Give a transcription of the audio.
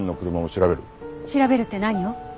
調べるって何を？